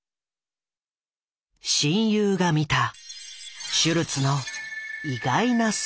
親友が見たシュルツの意外な素顔とは？